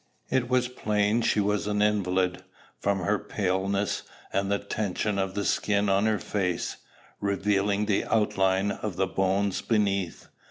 It was plain she was an invalid, from her paleness, and the tension of the skin on her face, revealing the outline of the bones beneath.